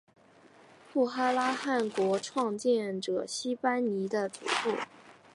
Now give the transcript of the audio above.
布哈拉汗国创建者昔班尼的祖父。